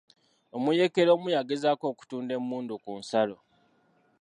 Omuyekera omu yagezaako okutunda emmundu ku nsalo.